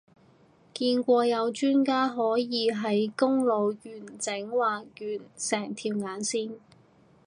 見過有專家可以喺公路完整畫完成條眼線